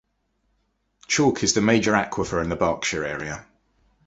Chalk is the major aquifer in the Berkshire area.